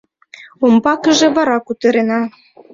Умбакыже вара кутырена.